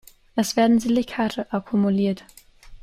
Es werden Silikate akkumuliert.